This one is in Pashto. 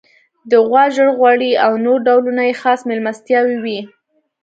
د غوا ژړ غوړي او نور ډولونه یې خاص میلمستیاوې وې.